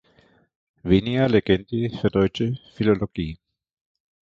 Venia Legendi für Deutsche Philologie.